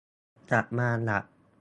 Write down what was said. กลับมาละ